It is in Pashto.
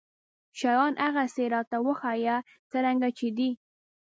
شيان هغسې راته وښايه څرنګه چې دي.